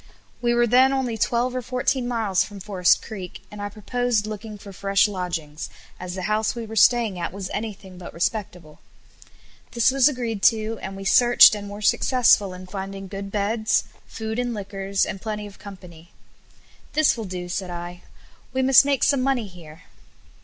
We were then only twelve or fourteen miles from Forest Creek, and I proposed looking for fresh lodgings, as the house we were staying at was anything but respectable. This was agreed to, and we searched and were successful in finding good beds, food and liquors, and plenty of company. "This will do," said I; "we must make some money here."